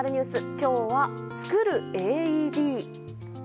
今日は、作るＡＥＤ。